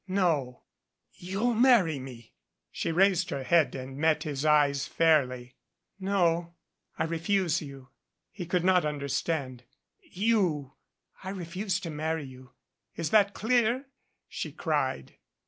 "No." "You'll marry me." She raised her head and met his eyes fairly. "No. I refuse you." He could not understand. "You " "I refuse to marry you. Is that clear?" she cried.